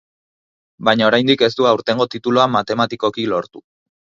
Baina oraindik ez du aurtengo titulua matematikoki lortu.